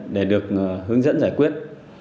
để được hướng dẫn giải quyết